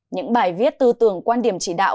những bài viết tư tưởng quan điểm chỉ đạo